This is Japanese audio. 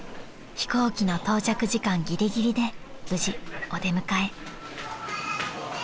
［飛行機の到着時間ぎりぎりで無事お出迎え］